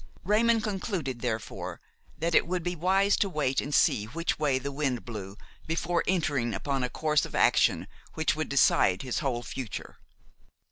Raymon concluded therefore that it would be wise to wait and see which way the wind blew before entering upon a course of action which would decide his whole future.